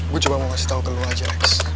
gua cuma mau kasih tau ke lu aja rex